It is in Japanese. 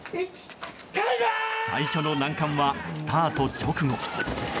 最初の難関はスタート直後。